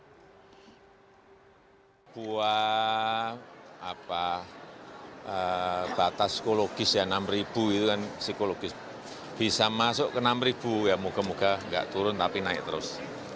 sehingga batas psikologis enam itu kan psikologis bisa masuk ke enam ya moga moga gak turun tapi naik terus